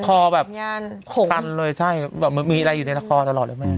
คอแบบหกพันเลยใช่แบบมีอะไรอยู่ในละครตลอดเลยแม่